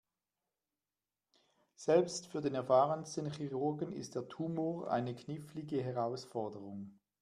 Selbst für den erfahrensten Chirurgen ist der Tumor eine knifflige Herausforderung.